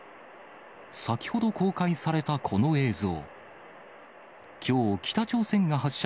先ほど公開されたこの映像。